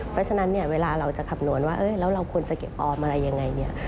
เพราะฉะนั้นเวลาเราจะคำนวณว่าเราควรจะเก็บออมอะไรอย่างไร